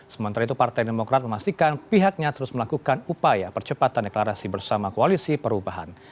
sementara itu partai demokrat memastikan pihaknya terus melakukan upaya percepatan deklarasi bersama koalisi perubahan